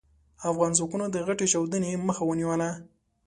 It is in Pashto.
افغان ځواکونو د غټې چاودنې مخه ونيوله.